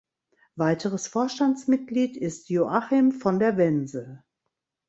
Weiteres Vorstandsmitglied ist Joachim von der Wense.